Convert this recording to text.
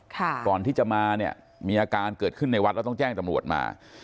ก่อนที่จะมาเนี่ยมีอาการเกิดขึ้นในวัดแล้วต้องแจ้งตำรวจมา